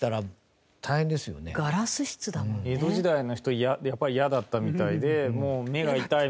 それこそ江戸時代の人やっぱり嫌だったみたいで目が痛い